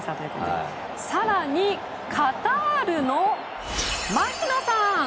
更に、カタールの槙野さん